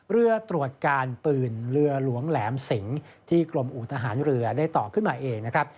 เรือตรวจการปืนเรือหลวงแหลมสิงที่กรมอุทหารเรือได้ต่อขึ้นมาเองนะครับ